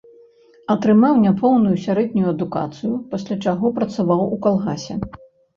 Атрымаў няпоўную сярэднюю адукацыю, пасля чаго працаваў у калгасе.